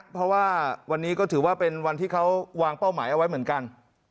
เพราะว่าวันนี้ก็ถือว่าเป็นวันที่เขาวางเป้าหมายเอาไว้เหมือนกัน